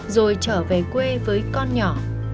rồi trở về quê với con nhỏ